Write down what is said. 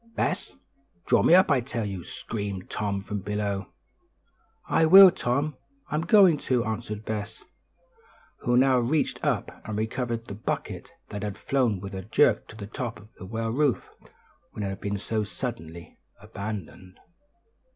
"Bess! draw me up, I tell you!" screamed Tom from below. "I will, Tom; I'm going to," answered Bess, who now reached up and recovered the bucket, that had flown with a jerk to the top of the well roof when it had been so suddenly abandoned.